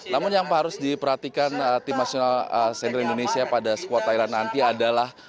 namun yang harus diperhatikan timnas indonesia pada skor thailand nanti adalah